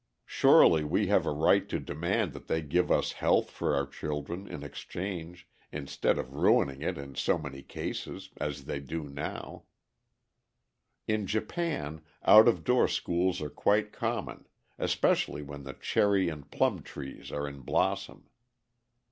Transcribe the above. Surely we have a right to demand that they give us health for our children in exchange, instead of ruining it in so many cases as they now do. In Japan out of door schools are quite common, especially when the cherry and plum trees are in blossom.